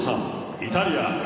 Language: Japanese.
イタリア。